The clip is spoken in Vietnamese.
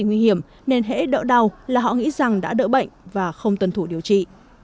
nếu có gì nguy hiểm nên hãy đỡ đau là họ nghĩ rằng đã đỡ bệnh và không tuân thủ điều trị